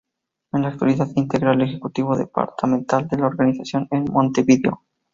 En la actualidad, integra el Ejecutivo Departamental de la organización en Montevideo.